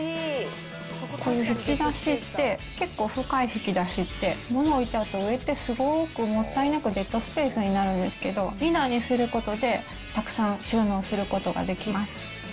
こういう引き出しって、結構深い引き出しって、物置いちゃうと上ってすごーくもったいなくデッドスペースになるんですけど、２段にすることでたくさん収納することができます。